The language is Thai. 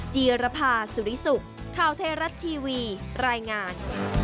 จีรภาสุริสุขข่าวไทยรัฐทีวีรายงาน